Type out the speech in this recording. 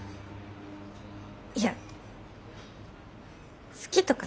いや好きとかじゃ。